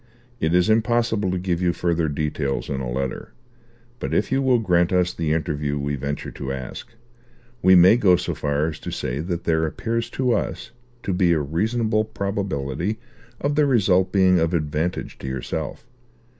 It is impossible to give you further details in a letter; but if you will grant us the interview we venture to ask, we may go so far as to say that there appears to us to be a reasonable probability of the result being of advantage to yourself.